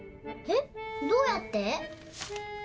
えっどうやって？